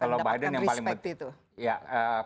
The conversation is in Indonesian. setelah mendapatkan respect itu